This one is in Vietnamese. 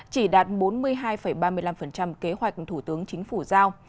chỉ đạt bốn mươi hai ba mươi năm kế hoạch thủ tướng chính phủ giao